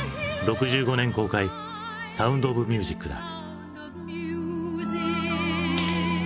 ６５年公開「サウンド・オブ・ミュージック」だ。